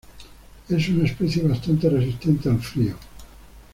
Es una especie bastante resistente al frío.